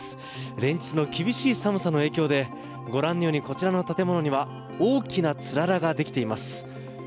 連日の厳しい寒さの影響でご覧のようにこちらの建物には大きなつららができています。